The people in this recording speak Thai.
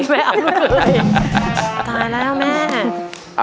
ตายแล้วแม่